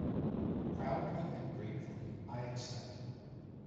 Proudly and gratefully I accept.